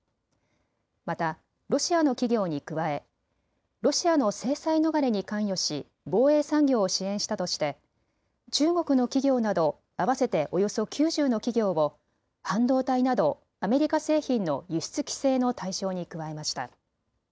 またロシアの企業に加え、ロシアの制裁逃れに関与し防衛産業を支援したとして中国の企業など合わせておよそ９０の企業を半導体などアメリカ製品の輸出規制の対象に加えました。